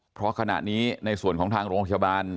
เพราะขณะนี้ในส่วนของทางโรงพยาบาล